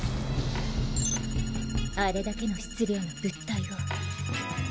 あれだけの質量の物体を。